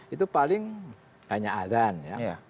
itu paling hanya azan ya